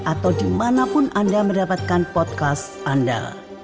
atau dimanapun anda mendapatkan podcast anda